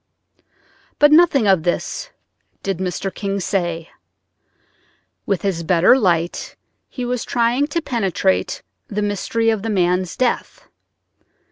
But nothing of this did Mr. King say. With his better light he was trying to penetrate the mystery of the man's death.